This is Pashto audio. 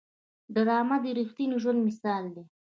ډرامه د رښتیني ژوند مثال دی